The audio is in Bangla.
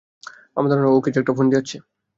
আমার ধারণা ও কিছু একটা ফন্দি আঁটছে।